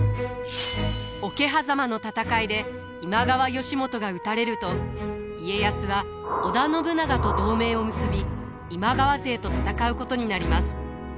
桶狭間の戦いで今川義元が討たれると家康は織田信長と同盟を結び今川勢と戦うことになります。